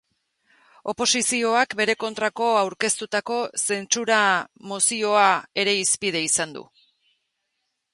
Oposizioak bere kontrako aurkeztutako zentsura-mozioa ere hizpide izan du.